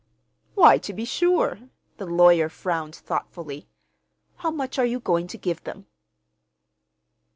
"Why, to be sure." The lawyer frowned thoughtfully. "How much are you going to give them?"